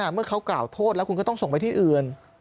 เมื่อเขากล่าวโทษแล้วคุณก็ต้องส่งไปที่อื่น